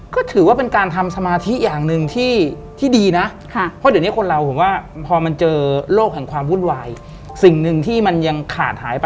คือตรงนี้นะ